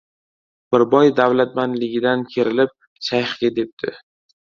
Bir boy davlatmandligidan kerilib, shayxga debdi: